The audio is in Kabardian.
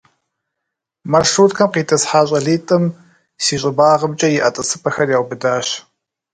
Маршруткэм къитӀысхьа щӀалитӀым си щӀыбагъымкӀэ иӀэ тӀысыпӀэхэр яубыдащ.